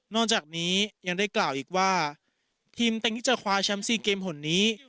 จากนี้ยังได้กล่าวอีกว่าทีมเต็งที่จะคว้าแชมป์๔เกมห่นนี้